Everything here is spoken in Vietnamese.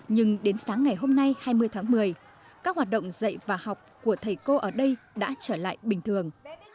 nhưng đến sáng ngày hôm nay hai mươi tháng một mươi các hoạt động dạy và học của thầy cô ở đây đã trở lại bình thường